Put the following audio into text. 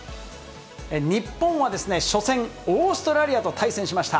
日本は初戦、オーストラリアと対戦しました。